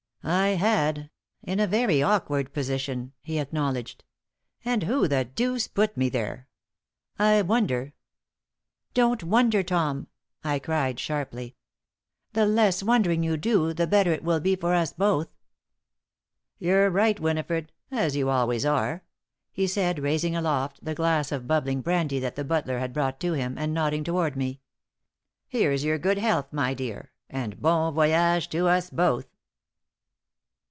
"I had in a very awkward position," he acknowledged. "And who the deuce put me there? I wonder " "Don't wonder, Tom," I cried, sharply. "The less wondering you do the better it will be for us both." "You're right, Winifred, as you always are," he said, raising aloft the glass of bubbling brandy that the butler had brought to him, and nodding toward me. "Here's your good health, my dear, and bon voyage to us both!"